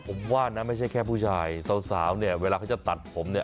ผมว่านะไม่ใช่แค่ผู้ชายสาวเนี่ยเวลาเขาจะตัดผมเนี่ย